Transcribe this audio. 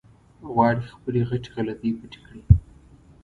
غواړي خپلې غټې غلطۍ پټې کړي.